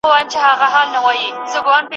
تېر سو زموږ له سیمي، څه پوښتې چي کاروان څه ویل